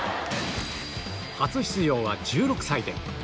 初出場は１６歳で